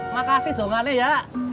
makasih doangannya ya